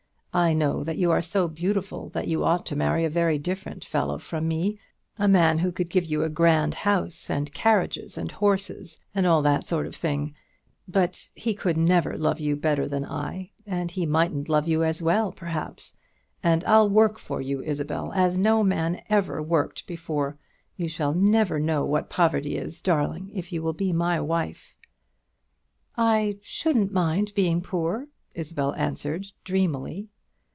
I know that you are so beautiful that you ought to marry a very different fellow from me, a man who could give you a grand house, and carriages and horses, and all that sort of thing; but he could never love you better than I, and he mightn't love you as well, perhaps; and I'll work for you, Isabel, as no man ever worked before. You shall never know what poverty is, darling, if you will be my wife." "I shouldn't mind being poor," Isabel answered, dreamily.